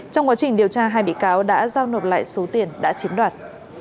trong quá trình điều tra hai bị cáo đã giao nộp lại số tiền đã chiếm đoạt